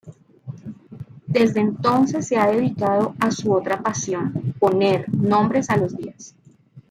Desde entonces, se ha dedicado a su otra pasión: "poner" nombres a los días.